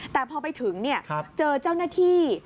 แต่พอไปถึงเจอเจ้าหน้าที่